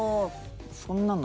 そんなの。